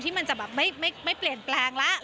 มันจะแบบไม่เปลี่ยนแปลงแล้ว